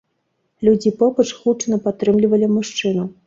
Людзі побач гучна падтрымлівалі мужчыну.